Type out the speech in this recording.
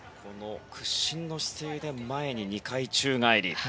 屈身の姿勢で前に２回宙返り。